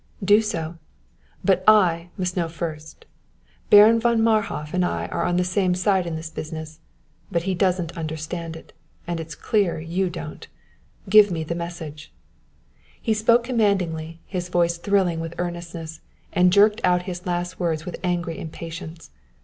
"Do so! but I must know first! Baron von Marhof and I are on the same side in this business, but he doesn't understand it, and it is clear you don't. Give me the message!" He spoke commandingly, his voice thrilling with earnestness, and jerked out his last words with angry impatience.